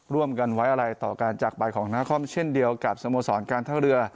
ร่วมกันไว้อะไรต่อการจากไปของนาคอมเช่นเดียวกับสโมสรการท่าเรือ